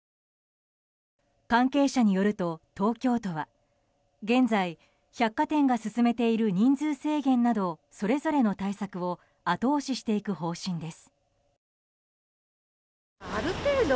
関係者によると、東京都は現在、百貨店が進めている人数制限などそれぞれの対策を後押ししていく方針です。